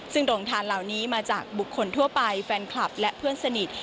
ซึ่งโรงทานเหล่านี้มาจากบุคคลทั่วไปแฟนคลับและเพื่อนสนิท